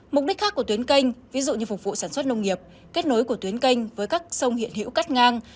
mục đích khác của tuyến canh ví dụ như phục vụ sản xuất nông nghiệp kết nối của tuyến canh với các sông hiện hữu cắt ngang